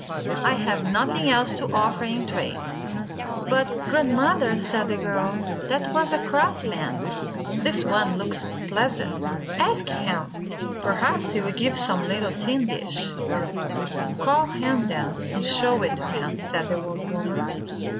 I have nothing else to offer in trade." "But, Grandmother," said the girl, "that was a cross man. This one looks pleasant. Ask him. Perhaps he '11 give some little tin dish." 15 JATAKA TALES "Call him, then, and show it to him," said the old woman.